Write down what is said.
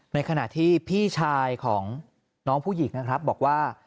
ในขณะที่พี่ชายของน้องผู้หญิงนะครับบอกว่า